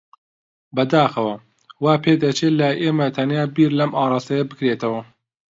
بەداخەوە، وا پێدەچێت لای ئێمە تەنها بیر لەم ئاراستەیە بکرێتەوە.